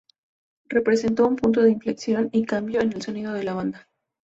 Representó un punto de inflexión y cambio en el sonido de la banda.